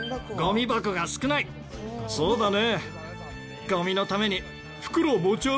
そうだね。